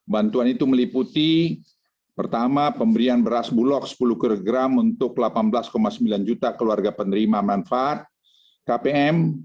bantuan itu meliputi pertama pemberian beras bulog sepuluh kg untuk delapan belas sembilan juta keluarga penerima manfaat kpm